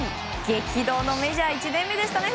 激動のメジャー１年目でしたね。